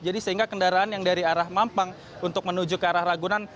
jadi sehingga kendaraan yang dari arah mampang untuk menuju ke arah ragunan